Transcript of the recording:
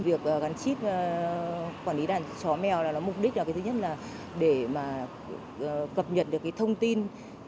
việc gắn chip quản lý đàn chó mèo là mục đích là cái thứ nhất là để mà cập nhật được cái thông tin